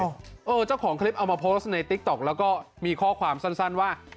เจ้าของคลิปเอามาโพสต์ในติ๊กต๊อกแล้วก็มีข้อความสั้นว่า